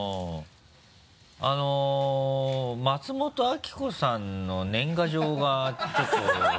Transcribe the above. あの松本明子さんの年賀状がちょっと。